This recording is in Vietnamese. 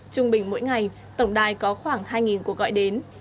trung bình mỗi ngày tổng đài có khoảng hai cuộc gọi đến